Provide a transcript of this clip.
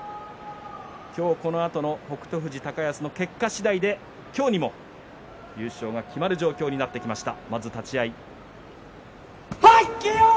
今日このあとの北勝富士高安の結果次第で今日にも優勝が決まる状況になってきました。